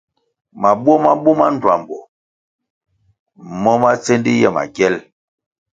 Mabuo ma buma ndtuambo mo ma tsendi ye makiel.